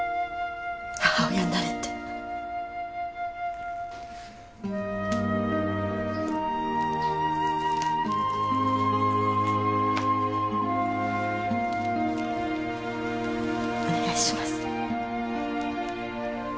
母親になれってお願いします